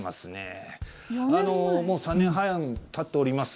もう３年半たっております。